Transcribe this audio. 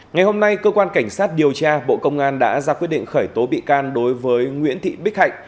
ngày hôm nay cơ quan cảnh sát điều tra bộ công an đã ra quyết định khởi tố bị can đối với nguyễn thị bích hạnh